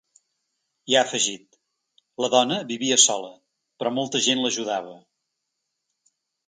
I ha afegit: La dona vivia sola, però molta gent l’ajudava.